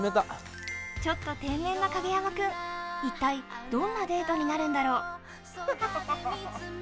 ちょっと天然な影山君、一体、どんなデートになるんだろ。